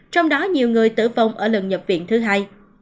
trong đó nhiều người tử vong ở lần nhập viện thứ hai